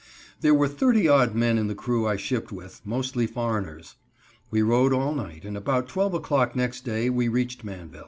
There were thirty odd men in the crew I shipped with, mostly foreigners. We rode all night, and about 12 o'clock next day we reached Manvel.